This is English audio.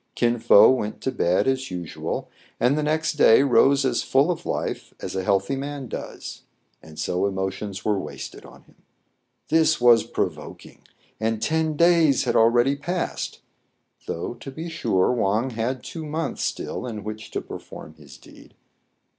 Kin Fo went to bed as 96 TRIBULATIONS OF A CHINAMAN. usual, and the next day rose as full of life as a healthy man does ; and so emotions were wasted on him. This was provoking, and ten days had already passed ; though, to be sure, Wang had two months still in which to perform his deed.